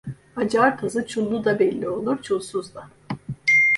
Acar tazı çullu da belli olur, çulsuz da.